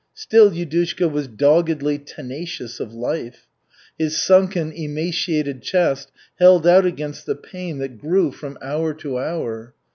Still Yudushka was doggedly tenacious of life. His sunken, emaciated chest held out against the pain that grew from hour to hour.